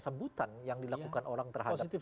sebutan yang dilakukan orang terhadap